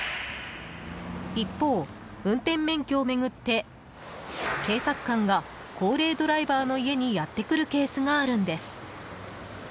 一方、運転免許を巡って警察官が高齢ドライバーの家にやってくるケースがあるんです。